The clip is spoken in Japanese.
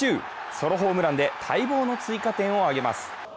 ソロホームランで待望の追加点を挙げます。